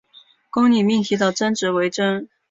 公理命题的真值为真。